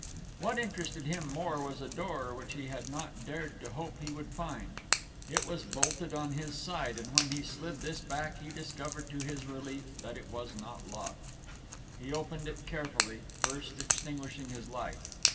What interested him more was a door which he had not dared to hope he would find. It was bolted on his side, and when he had slid this back he discovered to his relief that it was not locked. He opened it carefully, first extinguishing his light.